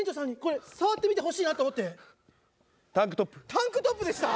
タンクトップでした！？